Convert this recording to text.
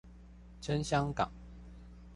撐香港